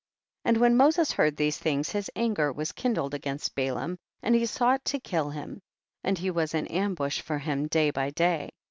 And when Moses heard these things his anger was kindled against Balaam, and he sought to kill him, and he was in ambush for him day by day, 39.